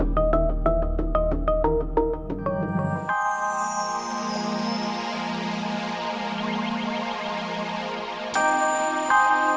terima kasih pak